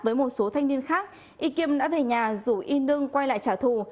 với một số thanh niên khác y kiêm đã về nhà rủ y nương quay lại trả thù